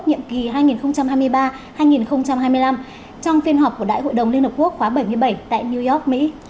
nhiệm kỳ hai nghìn hai mươi ba hai nghìn hai mươi năm trong phiên họp của đại hội đồng liên hợp quốc khóa bảy mươi bảy tại new york mỹ